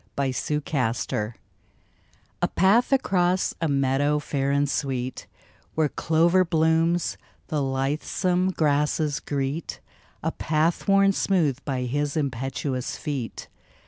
TWO PATHS A PATH across a meadow fair and sweet, Where clover blooms the lithesome grasses greet, A path worn smooth by his impetuous feet.